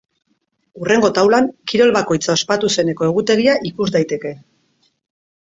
Hurrengo taulan, kirol bakoitza ospatu zeneko egutegia ikus daiteke.